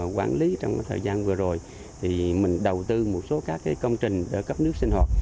quản lý trong thời gian vừa rồi thì mình đầu tư một số các công trình để cấp nước sinh hoạt